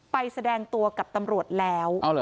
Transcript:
แสดงตัวกับตำรวจแล้ว